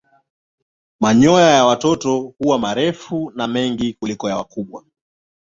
Manyoya ya watoto huwa marefu na mengi kuliko ya wakubwa.